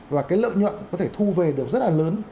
và cái lợi nhuận có thể thu về được rất là lớn